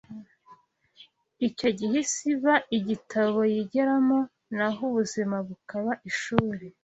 Icyo gihe isi iba igitabo yigiramo naho ubuzima bukaba ishuri